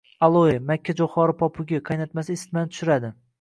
Aloe, makkajo‘xori popugi qaynatmasi isitmani tushiradi.